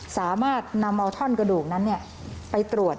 สามารถนำเอาท่อนกระดูกนั้นไปตรวจ